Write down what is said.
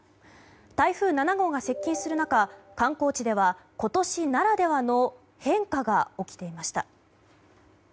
台風７号が接近する中観光地では今年ならではの変化が起きていました。